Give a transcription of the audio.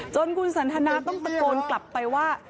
จนคุณสันทนาต้องตะโกนกลับไปว่า